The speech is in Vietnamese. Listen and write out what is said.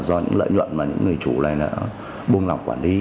do những lợi nhuận mà những người chủ này đã buông lỏng quản lý